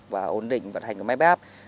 và ổn định vận hành của máy bép